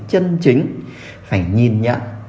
chân chính phải nhìn nhận